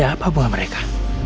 ada apa hubungan mereka